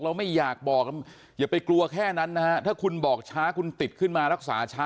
ไม่อยากบอกอย่าไปกลัวแค่นั้นนะฮะถ้าคุณบอกช้าคุณติดขึ้นมารักษาช้า